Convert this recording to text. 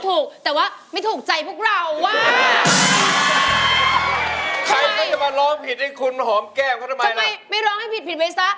แล้วอยู่ที่มากแล้ว